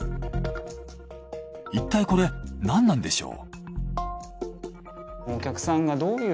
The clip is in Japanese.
いったいこれ何なんでしょう？